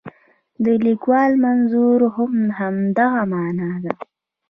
د لیکوال منظور هم همدغه معنا ده.